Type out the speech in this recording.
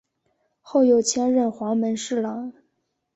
后又迁任黄门侍郎。